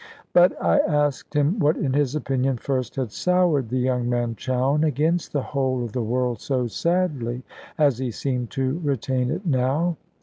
But I asked him what in his opinion first had soured the young man Chowne against the whole of the world so sadly, as he seemed to retain it now.